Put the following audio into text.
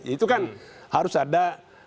itu kan harus ada